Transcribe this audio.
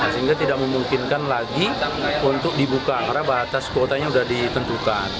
sehingga tidak memungkinkan lagi untuk dibuka karena batas kuotanya sudah ditentukan